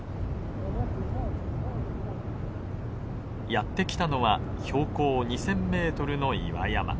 やって来たのは標高２，０００メートルの岩山。